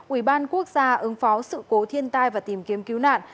ủy ban quốc gia ứng phó sự cố thiên tai và tìm kiếm cứu nạn